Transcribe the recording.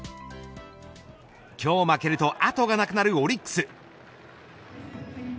今日負けると後がなくなるオリックス。